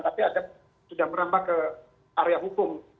tapi ada yang sudah merampak ke area hukum